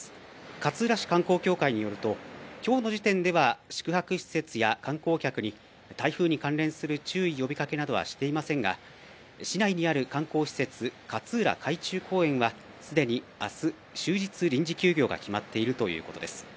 勝浦市観光協会によるときょうの時点では宿泊施設や観光客に台風に関連する注意、呼びかけなどはしていませんが市内にある観光施設、かつうら海中公園はすでにあす、終日臨時休業が決まっているということです。